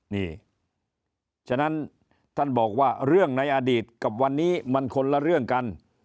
นี่ฉะนั้นท่านบอกว่าเรื่องในอดีตกับวันนี้มันคนละเรื่องกัน